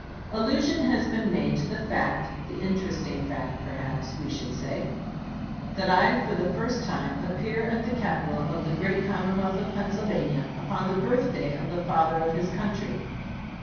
Allusion has been made to the fact — the interesting fact, perhaps we should say — that I for the first time appear at the capital of the great commonwealth of Pennsylvania upon the birthday of the Father of his Country.